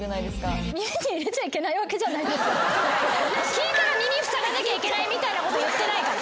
聞いたら耳ふさがなきゃいけないみたいなこと言ってないから。